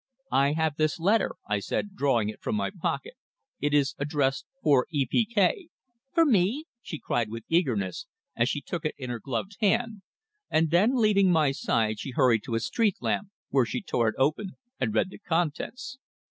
"I have this letter," I said, drawing it from my pocket. "It is addressed 'For E. P. K.'" "For me?" she cried with eagerness, as she took it in her gloved hand, and then leaving my side she hurried to a street lamp, where she tore it open and read the contents.